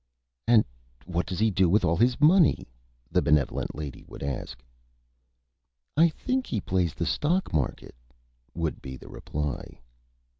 "And what does he do with all his Money?" the Benevolent Lady would ask. "I think he plays the Stock Market," would be the Reply.